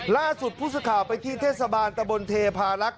ล่าสุดพูดสุข่าวไปที่เทศกาลตะบนเทภารักษมณ์